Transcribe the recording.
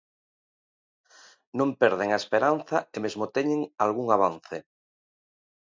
Non perden a esperanza e mesmo teñen algún avance.